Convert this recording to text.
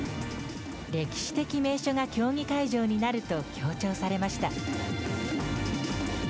歴史的名所が競技会場になると強調されました。